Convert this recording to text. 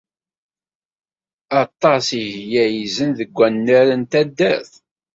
Aṭas i glalzen deg wannar n taddart.